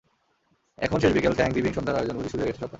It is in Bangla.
এখন শেষ বিকেল, থ্যাংকস গিভিং সন্ধ্যার আয়োজন বুঝি শুরু হয়ে গেছে সবখানে।